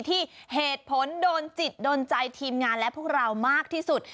ที่เหตุผลโดนจิตโดนใจทีมงานและพวกเรามากที่สุด